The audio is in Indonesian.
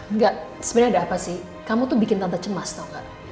enggak sebenarnya ada apa sih kamu tuh bikin tanda cemas tau gak